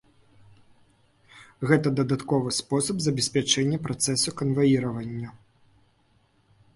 Гэта дадатковы спосаб забеспячэння працэсу канваіравання.